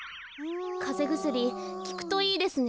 かぜぐすりきくといいですね。